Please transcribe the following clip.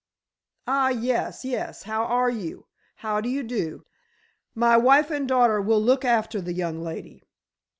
"Ah, yes, yes. How are you? How do you do? My wife and daughter will look after the young lady.